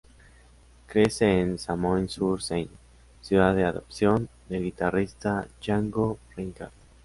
Crece en Samois-sur-Seine, ciudad de adopción del guitarrista Django Reinhardt.